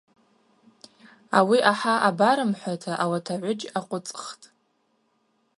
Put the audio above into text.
Ауи ахӏа абарымхӏвуата ауат агӏвыджь акъвыцӏхтӏ.